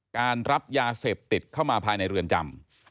การรับยาเสพติดเข้ามาภายในเรือนจำ